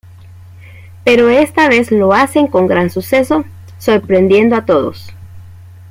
Pero esta vez lo hacen con gran suceso, sorprendiendo a todos.